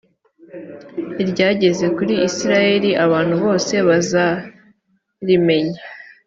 iryageze kuri isirayeli abantu bose bazarimenya